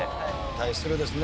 対するですね